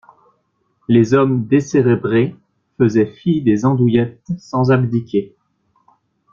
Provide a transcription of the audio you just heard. Les hommes décérébrés faisaient fi des andouillettes sans abdiquer.